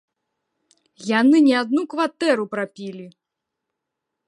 Яны не адну кватэру прапілі!